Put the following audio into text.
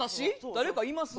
誰かいます？